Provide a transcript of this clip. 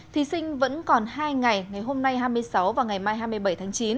thí sinh vẫn còn hai ngày ngày hôm nay hai mươi sáu và ngày mai hai mươi bảy tháng chín